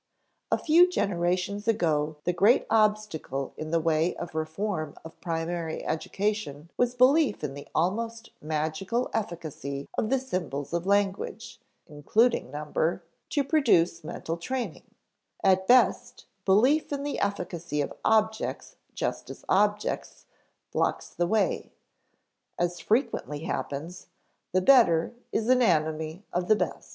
A few generations ago the great obstacle in the way of reform of primary education was belief in the almost magical efficacy of the symbols of language (including number) to produce mental training; at present, belief in the efficacy of objects just as objects, blocks the way. As frequently happens, the better is an enemy of the best.